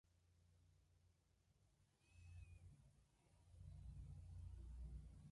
Le respondió, en nombre de la corporación, Vicente García de Diego.